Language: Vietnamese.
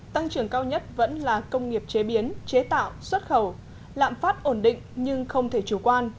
tăng trưởng cao nhất vẫn là công nghiệp chế biến chế tạo xuất khẩu lạm phát ổn định nhưng không thể chủ quan